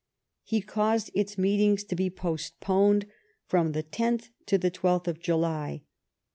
He caused its meetings to be postponed from the 10th to the 12th of July.